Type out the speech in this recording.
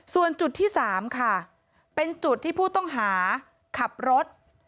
ส่วนจุดที่๓ค่ะเป็นจุดที่ผู้ต้องหาขับรถ